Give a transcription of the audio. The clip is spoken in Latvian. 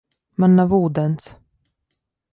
Man nav ūdens.